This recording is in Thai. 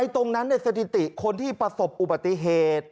ตรงนั้นสถิติคนที่ประสบอุบัติเหตุ